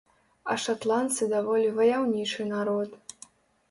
А шатландцы даволі ваяўнічы народ.